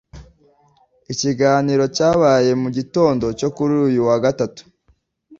Ikiganiro cyabaye mu gitondo cyo kuri uyu wa Gatatu